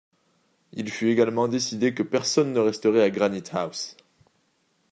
Il fut également décidé que personne ne resterait à Granite-house